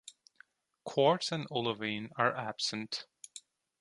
Quartz and olivine are absent.